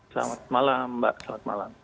selamat malam mbak selamat malam